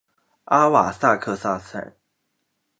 阿瓦萨克萨山。